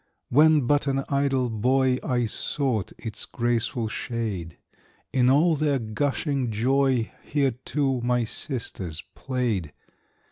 When but an idle boy, I sought its grateful shade; In all their gushing joy Here, too, my sisters played.